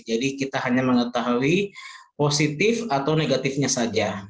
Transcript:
jadi kita hanya mengetahui positif atau negatifnya saja